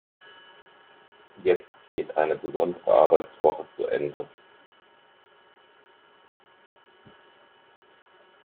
Jetzt geht eine besondere Arbeitswoche zu Ende.